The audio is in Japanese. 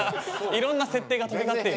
いろんな設定が飛び交っている。